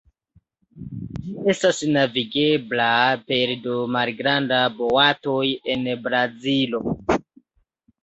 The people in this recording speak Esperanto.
Ĝi estas navigebla pere de malgrandaj boatoj en Brazilo.